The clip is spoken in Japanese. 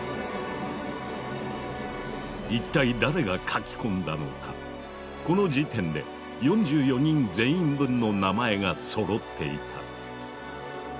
一体誰が書き込んだのかこの時点で４４人全員分の名前がそろっていた。